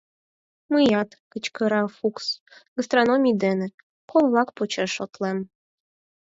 — Мыят, — кычкыра Фукс, — гастрономий дене — кол-влак почеш шотлем!